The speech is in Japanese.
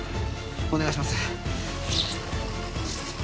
お願いします